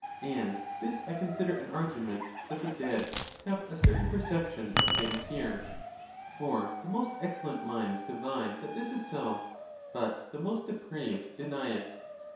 And this I consider an argument that the dead have a certain perception! of things here. For the most ex cellent minds divine that this is so, but the most depraved deny it.